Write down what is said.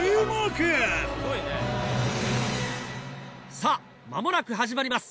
さぁ間もなく始まります